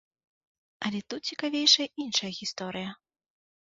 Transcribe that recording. Але тут цікавейшая іншая гісторыя.